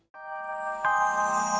tapi gak pakai lama